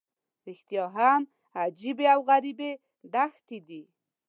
رښتیا هم عجیبې او غریبې دښتې دي.